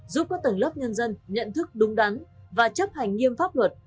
giúp các tầng lớp nhân dân nhận thức đúng đắn và chấp hành nghiêm pháp luật